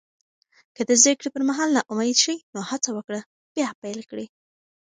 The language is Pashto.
که د زده کړې پر مهال ناامید شې، نو هڅه وکړه بیا پیل کړې.